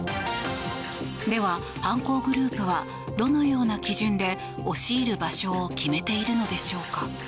では犯行グループはどのような基準で押し入る場所を決めているのでしょうか。